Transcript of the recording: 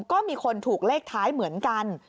ก็มีคนถูกเลขท้ายเหมือนกัน